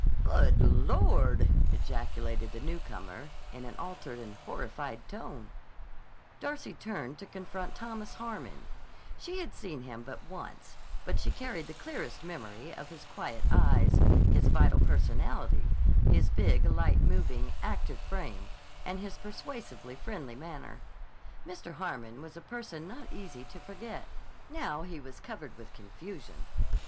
"Good Lord!" ejaculated the newcomer in an altered and horrified tone. Darcy turned to confront Thomas Harmon. She had seen him but once, but she carried the clearest memory of his quiet eyes, his vital personality, his big, light moving, active frame, and his persuasively friendly manner. Mr. Harmon was a person not easy to forget. Now he was covered with confusion.